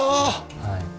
はい。